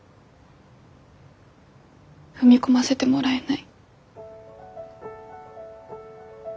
踏み込ませてもらえない。